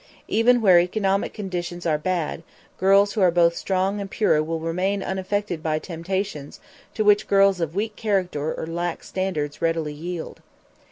Even where economic conditions are bad, girls who are both strong and pure will remain unaffected by temptations to which girls of weak character or lax standards readily yield.